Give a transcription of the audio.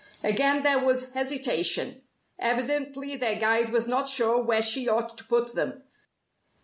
Again there was hesitation. Evidently their guide was not sure where she ought to put them.